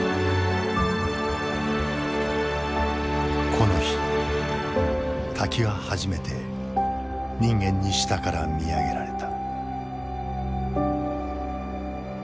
この日滝は初めて人間に下から見上げられた。